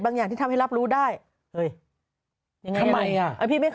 กันนี่ไงลุกรุงไง